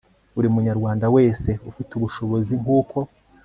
Buri munyarwanda wese ufite ubushobozi nk uko